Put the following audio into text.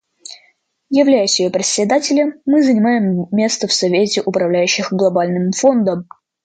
Являясь ее Председателем, мы занимаем место в Совете управляющих Глобальным фондом.